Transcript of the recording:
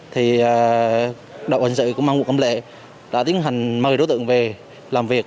thì đội cảnh sát hình sự công an quận cầm lệ đã tiến hành mời đối tượng về làm việc